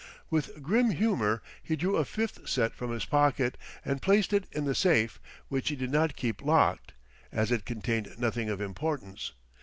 With grim humour he drew a fifth set from his pocket, and placed it in the safe, which he did not keep locked, as it contained nothing of importance.